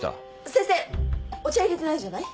先生お茶入れてないじゃない。